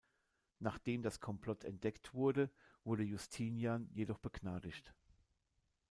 Nachdem das Komplott entdeckt wurde, wurde Justinian jedoch begnadigt.